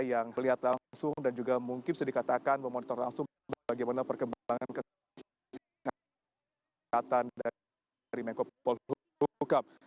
yang melihat langsung dan juga mungkin bisa dikatakan memonitor langsung bagaimana perkembangan kesehatan dari menko polhukam